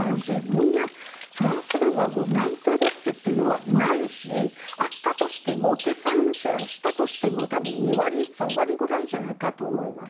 みんな、フランスでは内定率というのはないしあったとしても、計算しても多分、２割、３割くらいじゃないかと思います。